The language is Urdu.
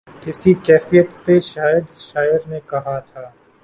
اسی کیفیت پہ شاید شاعر نے کہا تھا۔